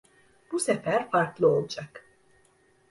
Bu sefer farklı olacak.